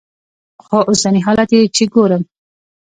خو اوسني حالات چې ګورم.